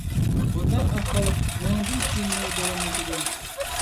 بۇنداق ئەھۋال بۇنىڭدىن كېيىنمۇ داۋاملىشىدۇ.